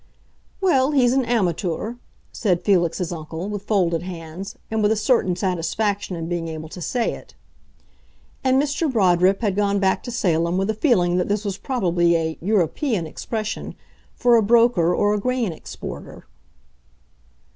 "Well, he's an amateur," said Felix's uncle, with folded hands, and with a certain satisfaction in being able to say it. And Mr. Broderip had gone back to Salem with a feeling that this was probably a "European" expression for a broker or a grain exporter.